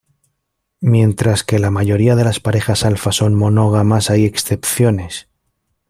Mientras que la mayoría de las parejas alfa son monógamas, hay excepciones.